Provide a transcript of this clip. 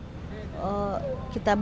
kita bisa berjalan